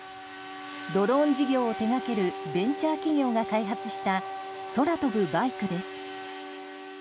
ドローン事業を手掛けるベンチャー企業が開発した空飛ぶバイクです。